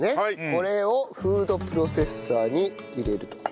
これをフードプロセッサーに入れると。